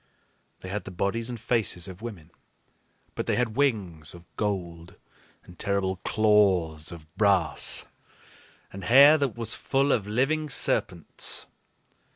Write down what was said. They had the bodies and faces of women, but they had wings of gold, and terrible claws of brass, and hair that was full of living serpents.